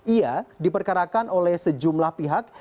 ia diperkarakan oleh sejumlah pihak